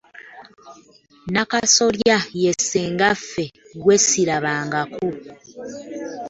Nakasolya ye ssengaffe gwe ssirabangako!